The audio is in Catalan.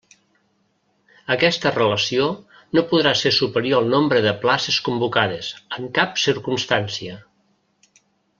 Aquesta relació no podrà ser superior al nombre de places convocades, en cap circumstància.